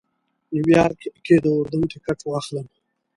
نیویارک کې د اردن ټکټ واخلم.